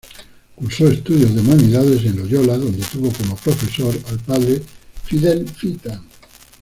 Cursó estudios de humanidades en Loyola, donde tuvo como profesor al padre Fidel Fita.